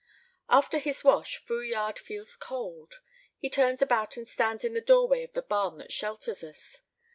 After his wash, Fouillade feels cold. He turns about and stands in the doorway of the barn that shelters us.